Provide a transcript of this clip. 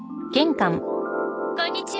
こんにちは。